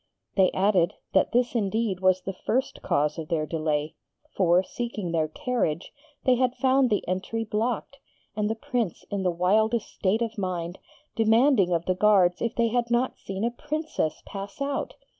They added, that this indeed was the first cause of their delay; for, seeking their carriage, they had found the entry blocked, and the Prince in the wildest state of mind, demanding of the guards if they had not seen a Princess pass out.